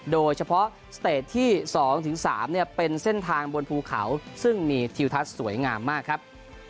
โดยเฉพาะสเตจที่๒๓เป็นเส้นทางบนภูเขาซึ่งมีทิวทัศน์สวยงามมากครับ